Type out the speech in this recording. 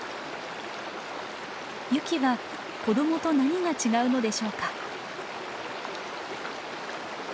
ユキは子どもと何が違うのでしょうか？